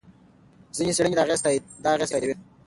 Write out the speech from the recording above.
ځینې څېړنې دا اغېز تاییدوي.